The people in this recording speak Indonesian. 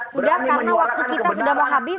sudah karena waktu kita sudah mau habis